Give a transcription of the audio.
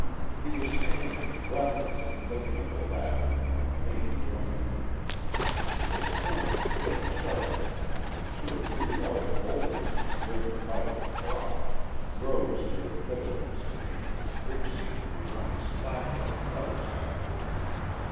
He was standing, breathless, looking at the latter, when Vane joined him. The stones dipped sharply, and two or three large boulders, ringed about with froth, rose near the middle of the stream, which seemed to be running slacker on the other side of them.